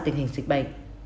tình hình dịch bệnh